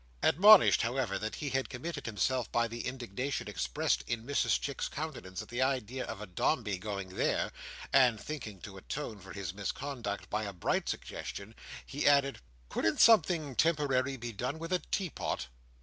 Admonished, however, that he had committed himself, by the indignation expressed in Mrs Chick's countenance at the idea of a Dombey going there; and thinking to atone for his misconduct by a bright suggestion, he added: "Couldn't something temporary be done with a teapot?"